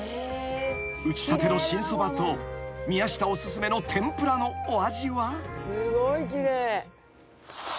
［打ちたての新そばと宮下お薦めの天ぷらのお味は］